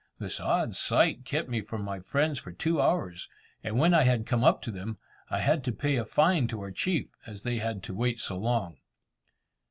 This odd sight kept me from my friends for two hours, and when I had come up to them, I had to pay a fine to our chief, as they had to wait so long.